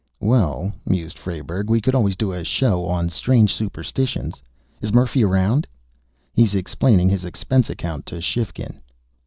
"Well," mused Frayberg, "we could always do a show on strange superstitions. Is Murphy around?" "He's explaining his expense account to Shifkin."